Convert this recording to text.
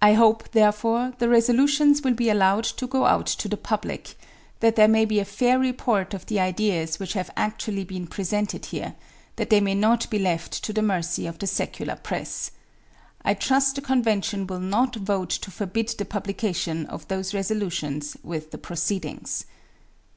I hope, therefore, the resolutions will be allowed to go out to the public; that there may be a fair report of the ideas which have actually been presented here; that they may not be left to the mercy of the secular press, I trust the convention will not vote to forbid the publication of those resolutions with the proceedings."